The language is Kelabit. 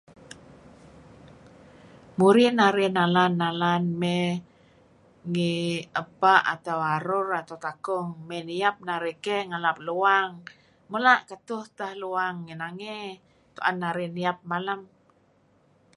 Murih narih nalan-nalan mey ngih ebpa' atau arur atau takung mey niep narih keyh ngalap luang. . Mula' ketuh teh luang ngih nangey tu'en narih niep malem.